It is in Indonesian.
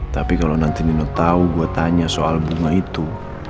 tapi kalau nanti nino tahu gue tanya soal bunga itu